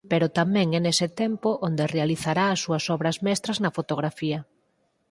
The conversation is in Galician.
Pero tamén é nese tempo onde realizará as súas obras mestras na fotografía.